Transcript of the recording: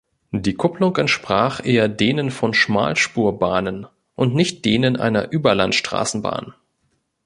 Die Kupplung entsprach eher denen von Schmalspurbahnen und nicht denen einer Überlandstraßenbahn.